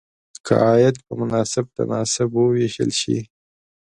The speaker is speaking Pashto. که عاید په مناسب تناسب وویشل شي.